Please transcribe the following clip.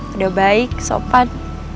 udah baik sopan